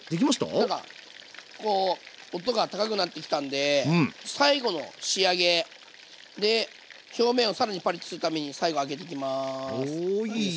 なんかこう音が高くなってきたんで最後の仕上げで表面を更にパリッとするために最後上げていきます。